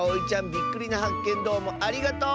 びっくりなはっけんどうもありがとう！